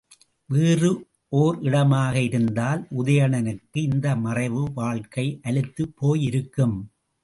வேறு ஓர் இடமாக இருந்தால் உதயணனுக்கு இந்த மறைவு வாழ்க்கை அலுத்துப் போயிருக்கும்.